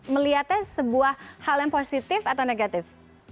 melihatnya sebuah hal yang positif atau negatif